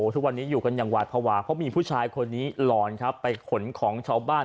ทุกวันนี้อยู่กันอย่างหวาดภาวะเพราะมีผู้ชายคนนี้หลอนครับไปขนของชาวบ้าน